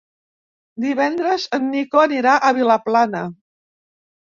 Divendres en Nico anirà a Vilaplana.